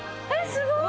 すごーい！